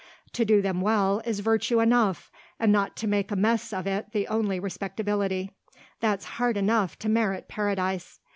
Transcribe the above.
To do them well is virtue enough, and not to make a mess of it the only respectability. That's hard enough to merit Paradise.